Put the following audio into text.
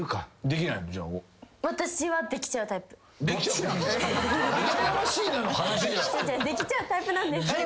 できちゃうタイプなんですけど。